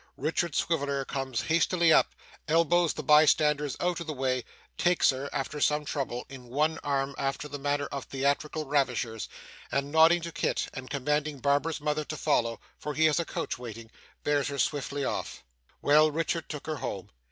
Richard Swiveller comes hastily up, elbows the bystanders out of the way, takes her (after some trouble) in one arm after the manner of theatrical ravishers, and, nodding to Kit, and commanding Barbara's mother to follow, for he has a coach waiting, bears her swiftly off. Well; Richard took her home.